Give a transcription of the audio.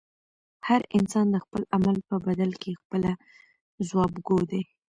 هر انسان د خپل عمل په بدل کې پخپله ځوابګوی دی.